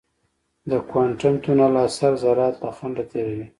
د کوانټم تونل اثر ذرات له خنډه تېروي.